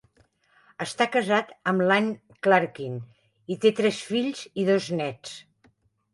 Està casat amb Anne Clarkin i té tres fills i dos néts.